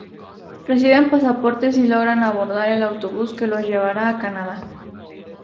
Reciben pasaportes y logran abordar el autobús que los llevará a Canadá.